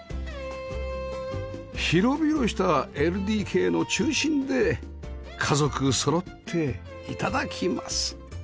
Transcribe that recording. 広々した ＬＤＫ の中心で家族そろって頂きます